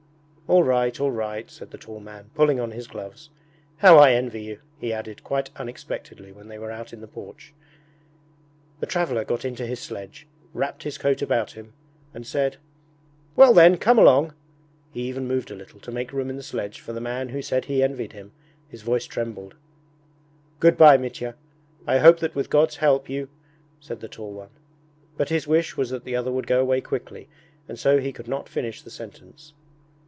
'All right, all right!' said the tall man, pulling on his gloves. 'How I envy you!' he added quite unexpectedly when they were out in the porch. The traveller got into his sledge, wrapped his coat about him, and said: 'Well then, come along!' He even moved a little to make room in the sledge for the man who said he envied him his voice trembled. 'Good bye, Mitya! I hope that with God's help you...' said the tall one. But his wish was that the other would go away quickly, and so he could not finish the sentence.